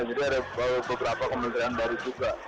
jadi ada beberapa kementerian baru juga